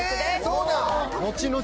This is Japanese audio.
そうなん？